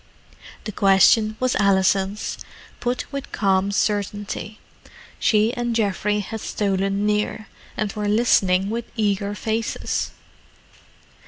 The question was Alison's, put with calm certainty. She and Geoffrey had stolen near, and were listening with eager faces.